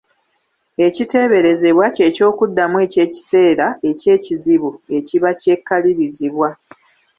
Ekiteeberezebwa, kye ky’okuddamu eky’ekiseera eky’ekizibu ekiba kyekalirizibwa.